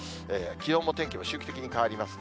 気温も天気も周期的に変わりますね。